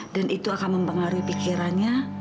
dan itu akan mempengaruhi pikirannya